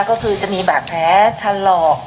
ก็คือจะมีบาดแผลชะลอก